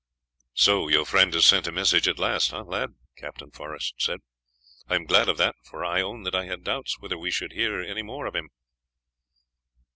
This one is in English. "So your friend has sent a message at last, lad?" Captain Forest said. "I am glad of that, for I own that I had doubts whether we should hear any more of him."